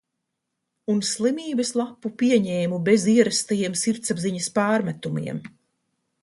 Un slimības lapu pieņēmu bez ierastajiem sirdsapziņas pārmetumiem.